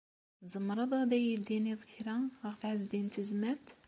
Tzemreḍ ad iyi-d-tiniḍ kra ɣef Ɛezdin n Tezmalt?